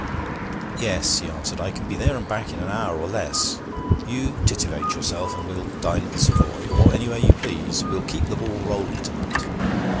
'Yes,' he answered. 'I can be there and back in an hour or less. You titivate yourself, and we'll dine at the Savoy, or anywhere you please. We'll keep the ball rolling to night.